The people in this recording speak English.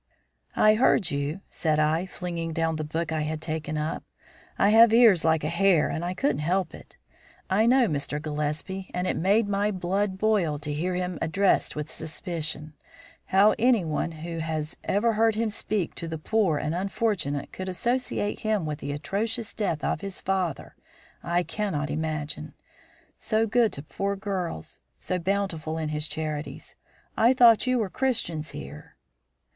"I heard you," said I, flinging down the book I had taken up. "I have ears like a hare and I couldn't help it. I know Mr. Gillespie, and it made my blood boil to hear him addressed with suspicion. How anyone who has ever heard him speak to the poor and unfortunate could associate him with the atrocious death of his father, I cannot imagine. So good to poor girls! So bountiful in his charities! I thought you were Christians here."